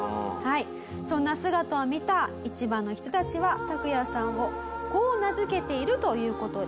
そんな姿を見た市場の人たちはタクヤさんをこう名付けているという事です。